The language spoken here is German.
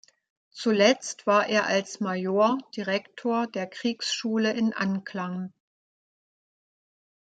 Zuletzt war er als Major Direktor der Kriegsschule in Anklam.